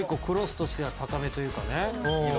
クロスとしては高めというかね。